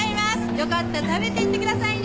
よかったら食べていってくださいね！